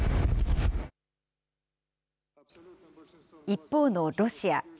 一方のロシア。